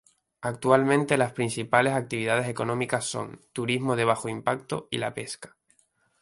Actualmente las principales actividades económicas son: turismo de bajo impacto y la pesca.